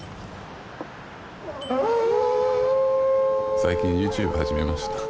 最近ＹｏｕＴｕｂｅ始めました。